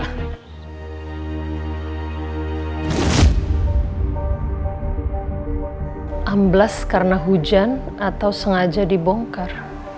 amblas karena hujan atau sengaja dibongkar